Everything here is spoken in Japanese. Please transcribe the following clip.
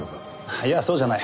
いやそうじゃない。